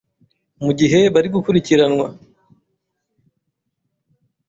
mu gihe bari gukurikiranwa